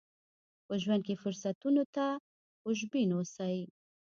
په ژوند کې فرصتونو ته خوشبين اوسئ.